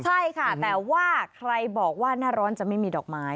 ใช่ค่ะแต่ว่าใครบอกว่าหน้าร้อนจะไม่มีดอกไม้